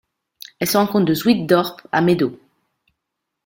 Elle se rencontre de Zuytdorp à Meedo.